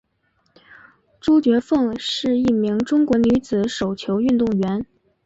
朱觉凤是一名中国女子手球运动员。